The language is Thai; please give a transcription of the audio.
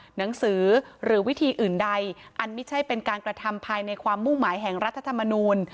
หนังสือหรือวิธีอื่นใดอันไม่ใช่เป็นการกระทำภายในความมุ่งหมายแห่งรัฐธรรมนูล